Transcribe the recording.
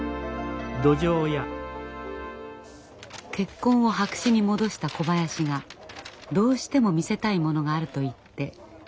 結婚を白紙に戻した小林がどうしても見せたいものがあると言って洋一を呼び出していました。